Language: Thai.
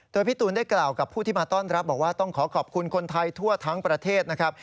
โดยพี่ตูนได้กล่าวกับผู้ที่มาต้อนรับบอกว่าต้องขอขอบคุณคนไทยทั่วทั้งประเทศนะครับ